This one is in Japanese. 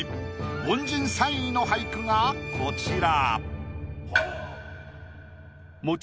凡人３位の俳句がこちら。